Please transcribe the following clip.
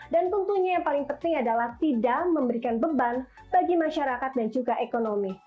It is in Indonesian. dan tentunya yang paling penting adalah tidak memberikan beban bagi masyarakat dan juga ekonomi